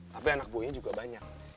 tapi anak buahnya juga banyak